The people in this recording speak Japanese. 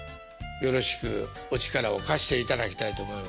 よろしくお力を貸していただきたいと思います。